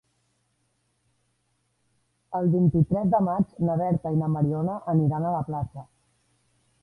El vint-i-tres de maig na Berta i na Mariona aniran a la platja.